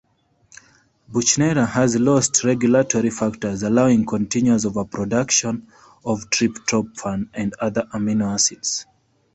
"Buchnera" has lost regulatory factors, allowing continuous overproduction of tryptophan and other amino acids.